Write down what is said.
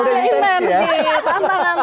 udah intens dia